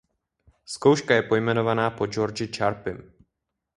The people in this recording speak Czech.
Zkouška je pojmenovaná po Georgi Charpym.